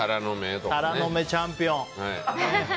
タラの芽チャンピオン。